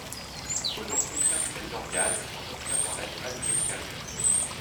On peut donc observer ses organes en observant l'animal de l’extérieur.